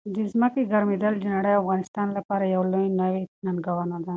د ځمکې ګرمېدل د نړۍ او افغانستان لپاره یو لوی نوي ننګونه ده.